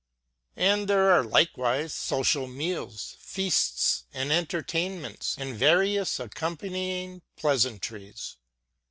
And there are likewise social meals, feasts, and entertainments, and various accompanying pleasantries.